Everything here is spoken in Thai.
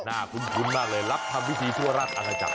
คุ้นมากเลยรับทำพิธีทั่วราชอาณาจักร